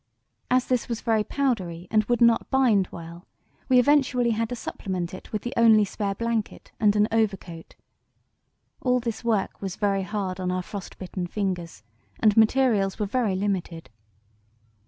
As this was very powdery and would not bind well, we eventually had to supplement it with the only spare blanket and an overcoat. All this work was very hard on our frost bitten fingers, and materials were very limited.